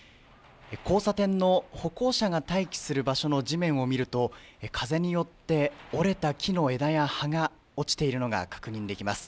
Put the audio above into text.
交差点の歩行者が待機する場所の地面を見ると風によって折れた木の枝や葉が落ちているのが確認できます。